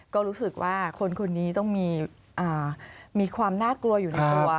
ก็รู้สึกว่าคนคนนี้ต้องมีความน่ากลัวอยู่ในตัว